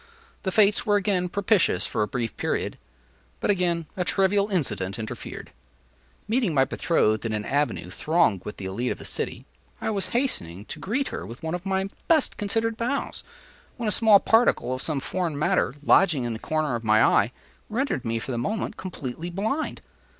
The fates were again propitious for a brief period; but again a trivial incident interfered. Meeting my betrothed in an avenue thronged with the élite of the city, I was hastening to greet her with one of my best considered bows, when a small particle of some foreign matter, lodging in the corner of my eye, rendered me, for the moment, completely blind.